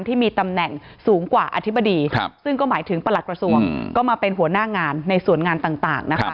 ที่มีตำแหน่งสูงกว่าอธิบดีซึ่งก็หมายถึงประหลักกระทรวงก็มาเป็นหัวหน้างานในส่วนงานต่างนะคะ